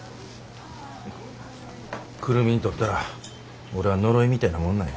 久留美にとったら俺は呪いみたいなもんなんや。